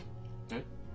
えっ？